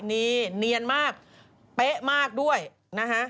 นี่เนียนมากเป๊ะมากด้วยนะฮะ